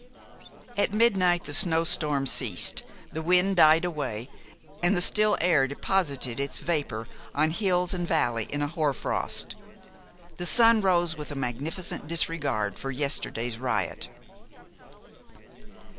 At midnight the snow storm ceased, the wind died away, and the still air deposited its vapor on hills and valley in a hoar frost. The sun rose with a magnificent disregard for yesterday's riot.